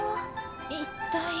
一体。